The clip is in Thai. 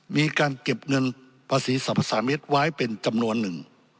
มีการเก็บเงินภาษีสรรพสามิตรไว้เป็นจำนวนหนึ่ง